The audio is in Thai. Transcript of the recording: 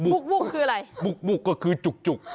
บุกมุกคืออะไรบุกก็คือจุก